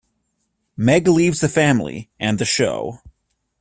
Meg leaves the family, and the show.